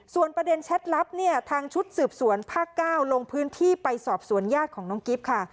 ส่วนประเด็นแชทลับเนี่ยทางชุดสืบสวนภาค๙ลงพื้นที่ไปสอบสวนญาติของน้องกิฟต์ค่ะ